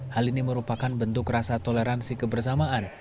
hal ini merupakan bentuk rasa toleransi kebersamaan